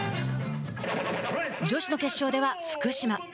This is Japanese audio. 女子の決勝では福島。